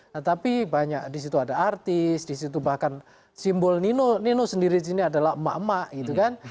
nah tapi banyak di situ ada artis di situ bahkan simbol nino sendiri di sini adalah emak emak gitu kan